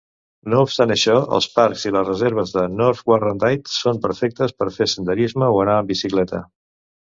No obstant això, els parcs i les reserves de North Warrandyte són perfectes per fer senderisme o anar en bicicleta.